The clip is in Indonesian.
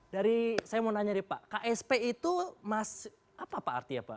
dari saya mau nanya nih pak ksp itu mas apa pak artinya pak